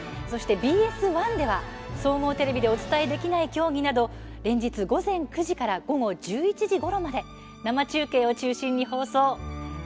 ＢＳ１では、総合テレビでお伝えできない競技などを連日午前９時から午後１１時ごろまで生中継を中心に放送。